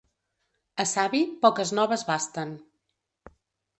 A savi, poques noves basten.